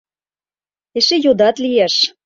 — Эше йодат лиеш!